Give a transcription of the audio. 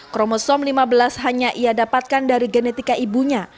kromosom lima belas hanya ia dapatkan dari genetika ibunya